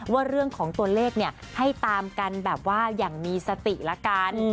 ว่าเรื่องของตัวเลขเนี่ยให้ตามกันแบบว่าอย่างมีสติละกัน